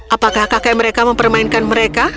apakah kakek mereka mempermainkan mereka